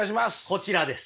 こちらです。